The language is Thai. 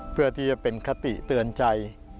เพื่อที่จะเป็นคติเตือนใจ